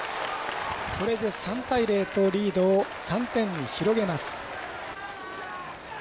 これで３対０とリードを３点に広げます。